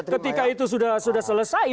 ketika itu sudah selesai